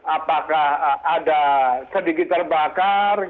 apakah ada sedikit terbakar